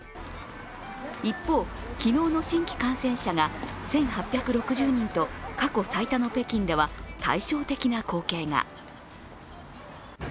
一方、昨日の新規感染者が１８６０人と、過去最多の北京では対照的な光景が。